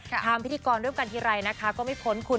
ทำพิธีกรร่วมกันทีไรนะคะก็ไม่พ้นคุณ